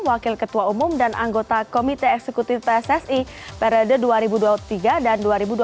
wakil ketua umum dan anggota komite eksekutif pssi periode dua ribu dua puluh tiga dan dua ribu dua puluh